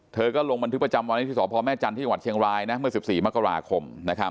เธอก็ลงบันทึกประจำวันที่สพแม่จันทร์ที่จังหวัดเชียงรายเมื่อ๑๔มกราคม